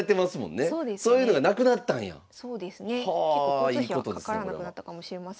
交通費はかからなくなったかもしれません。